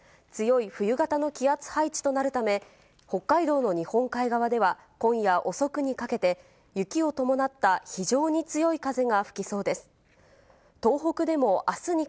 強い冬型の気圧配置となるため、北海道の日本海側では、今夜遅くにかけて、雪を伴った非常に強い風が吹きそうです。